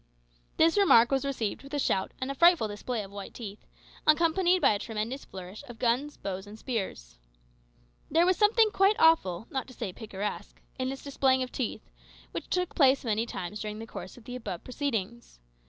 This remark was received with a shout and a frightful display of white teeth, accompanied by a tremendous flourish of guns, bows, and spears. There was something quite awful, not to say picturesque, in this displaying of teeth, which took place many times during the course of the above proceedings.